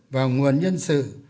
và nguồn nhân sự